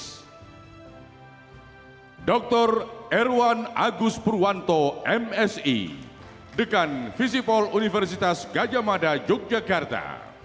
hai dr erwan agus purwanto msi dekan fisipol universitas gajah mada yogyakarta